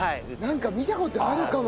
なんか見た事あるかも！